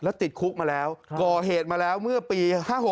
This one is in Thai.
แล้วติดคุกมาแล้วก่อเหตุมาแล้วเมื่อปี๕๖